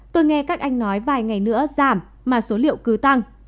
tôi nghe các anh nói vài ngày nữa giảm mà số liệu cứ tăng